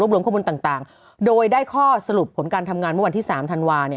รวมข้อมูลต่างโดยได้ข้อสรุปผลการทำงานเมื่อวันที่๓ธันวา